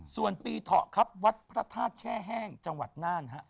ส่วนปีเถาะครับวัดพระธาตุแช่แห้งจังหวัดน่านฮะ